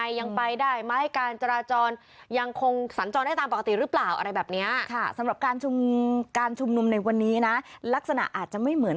ก็ต้องไปเก็บบรรยากาศรายงานให้คุณผู้ชมดู